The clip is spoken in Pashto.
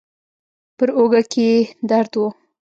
پر اوږه کې يې درد و.